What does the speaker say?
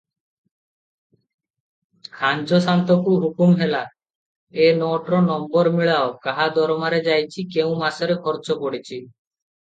ଖାଞ୍ଜଶାନ୍ତକୁ ହୁକୁମ୍ ହେଲା- ଏ ନୋଟର ନମ୍ବର ମିଳାଅ- କାହାର ଦରମାରେ ଯାଇଚି- କେଉଁ ମାସରେ ଖର୍ଚ୍ଚ ପଡ଼ିଚି?